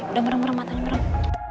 udah mereng mereng mata lu mereng